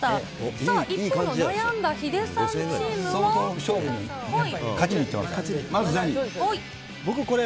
さあ、一方、悩んだヒデさんチームは？